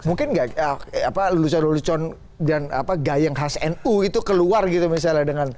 mungkin lelucon lelucon dan gayeng khas nu itu keluar gitu misalnya